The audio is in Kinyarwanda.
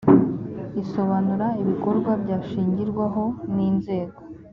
isobanura ibikorwa byashingirwaho n inzego